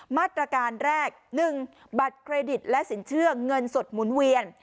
มาตรการแรก๑บัตรเครดิตและสินเชื่อเงินสดหมุนเวียน